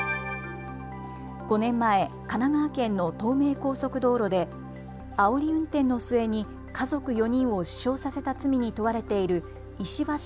５年前、神奈川県の東名高速道路であおり運転の末に家族４人を死傷させた罪に問われている